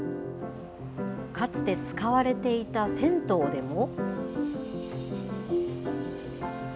かつて使われていた銭湯でも。